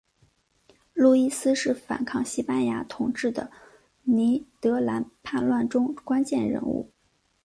路易斯是反抗西班牙统治的尼德兰叛乱中关键人物。